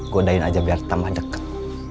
godain aja biar tambah deket